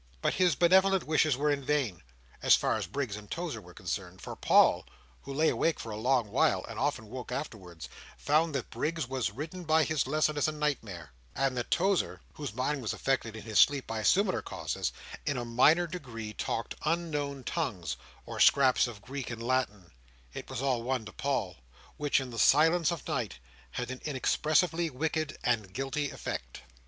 But his benevolent wishes were in vain, as far as Briggs and Tozer were concerned; for Paul, who lay awake for a long while, and often woke afterwards, found that Briggs was ridden by his lesson as a nightmare: and that Tozer, whose mind was affected in his sleep by similar causes, in a minor degree talked unknown tongues, or scraps of Greek and Latin—it was all one to Paul—which, in the silence of night, had an inexpressibly wicked and guilty effect.